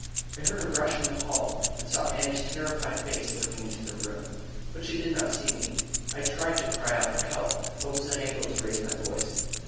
I heard a rush in the hall and saw Annie's terrified face looking into the room, but she did not see me. I tried to cry out for help, but was unable to raise my voice.